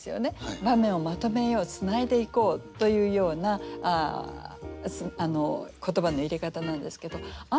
場面をまとめようつないでいこうというような言葉の入れ方なんですけどあ